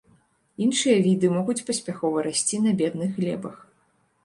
Іншыя віды могуць паспяхова расці на бедных глебах.